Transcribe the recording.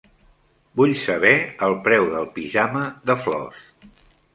Vull saber el preu del pijama de flors.